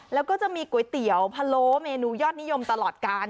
แล้วก็จะมีก๋วยเตี๋ยวพะโล้เมนูยอดนิยมตลอดกาล